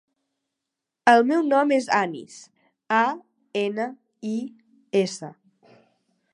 El meu nom és Anis: a, ena, i, essa.